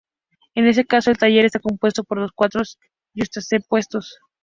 En este caso, el taller está compuesto por dos cuartos yuxtapuestos.